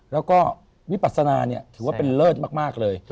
แล้วก็วิปัสนาเนี่ยถือว่าเป็นเลิศมากเลย